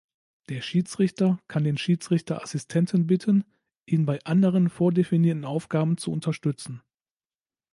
Der Schiedsrichter kann den Schiedsrichter-Assistenten bitten, ihn bei anderen vordefinierten Aufgaben zu unterstützen.